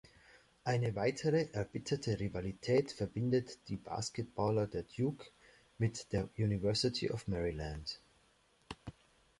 Eine weitere erbitterte Rivalität verbindet die Basketballer der Duke mit der University of Maryland.